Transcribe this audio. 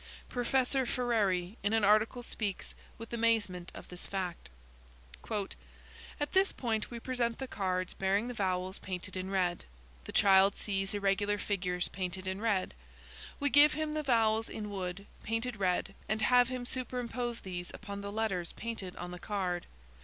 Professor Ferreri 12 in an article speaks with amazement of this fact. 13 "At this point we present the cards bearing the vowels painted in red. The child sees irregular figures painted in red. We give him the vowels in wood, painted red, and have him superimpose these upon the letters painted on the card.